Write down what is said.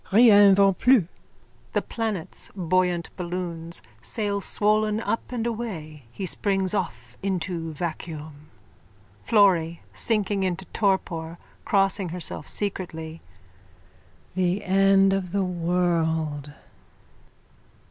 Rien va plus! (The planets, buoyant balloons, sail swollen up and away. He springs off into vacuum.)_ FLORRY: (Sinking into torpor, crossing herself secretly.) The end of the world!